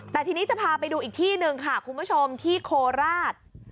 แต่ทีนี้จะพาไปดูอีกที่หนึ่งค่ะคุณผู้ชมที่โคราช